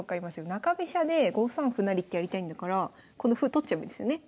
中飛車で５三歩成ってやりたいんだからこの歩取っちゃえばいいんですよね。